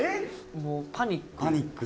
もうパニック。